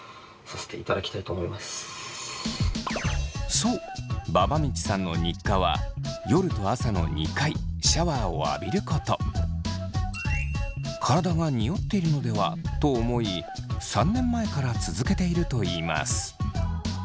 そうばばみちさんの日課は体がにおっているのではと思い３年前から続けているといいます。